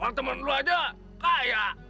uang temen lu aja kaya